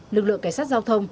lực lượng cảnh sát giao thông